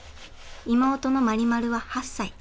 妹のマリマルは８歳。